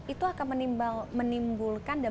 itu akan menimbulkan dan